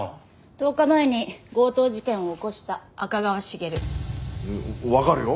１０日前に強盗事件を起こした赤川茂。わわかるよ。